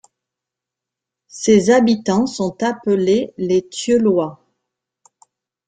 Ses habitants sont appelés les Tieulois.